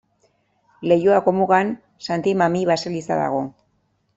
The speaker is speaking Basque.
Leioako mugan Santi Mami baseliza dago.